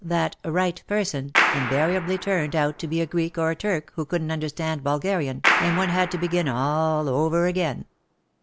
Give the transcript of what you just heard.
that right person " invariably turned out to be a Greek or a Turk who couldn't understand Bulgarian, and one had to begin all over again.